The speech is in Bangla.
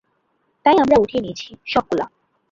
তাই আমরা উঠিয়ে নিয়েছি, সবগুলা।